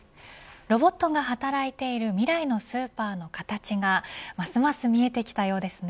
ロボットが働いている未来のスーパーの形がますます見えてきたようですね。